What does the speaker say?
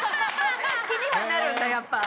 気にはなるんだやっぱ。